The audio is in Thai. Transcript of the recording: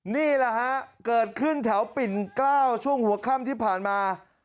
นี่แหละฮะเกิดขึ้นแถวปิ่นเกล้าวช่วงหัวค่ำที่ผ่านมา